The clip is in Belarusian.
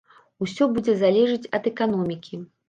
Усё будзе залежаць ад эканомікі.